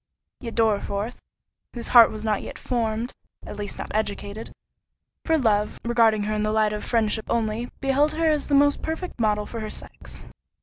Yet Dorriforth, whose heart was not formed (at least not educated) for love, regarding her in the light of friendship only, beheld her as the most perfect model for her sex.